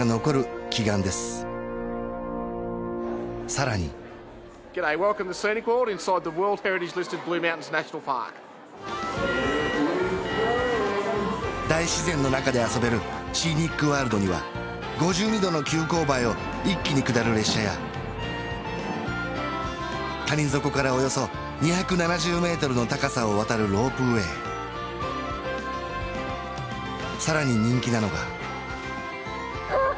更に大自然の中で遊べるシーニック・ワールドには５２度の急勾配を一気に下る列車や谷底からおよそ２７０ｍの高さを渡るロープウェイ更に人気なのが・うわあ